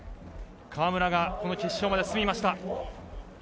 川村が、この決勝まで進みました。